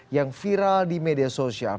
yang viral di media sosial